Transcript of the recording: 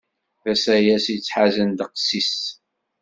D asayes yettḥazen ddeqs-is.